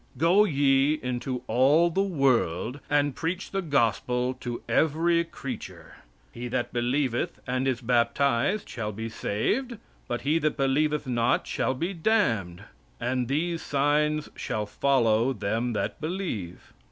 "Go ye into all the world and preach the gospel to every creature. He that believeth and is baptized shall be saved, but he that believeth not shall be damned. And these signs shall follow them that believe."